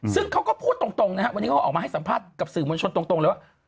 ซึ่งเขาก็พูดตรงนะครับวันนี้เขาก็ออกมาให้สัมภาษณ์กับสื่อมวลชนตรงเลยว่า